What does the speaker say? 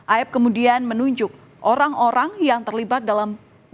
aeb kemudian menunjuk orang orang yang terlibat dalam